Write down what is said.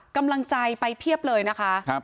กำลังใจไปเพียบเลยนะคะ